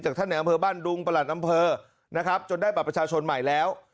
ท่านในอำเภอบ้านดุงประหลัดอำเภอนะครับจนได้บัตรประชาชนใหม่แล้ว